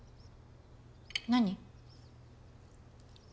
何？